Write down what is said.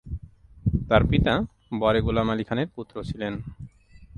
তার পিতা বড়ে গোলাম আলী খানের পুত্র ছিলেন।